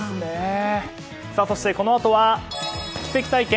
そして、このあとは「奇跡体験！